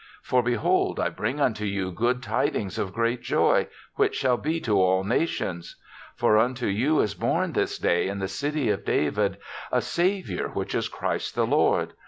For, be hold I bring unto you good tidings of great joy, which shall be to all nations. For unto you is born this day in the city of David a Saviour 34 THE SEVENTH CHRISTMAS which is Christ the Lord.